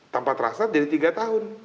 tanpa terasa jadi tiga tahun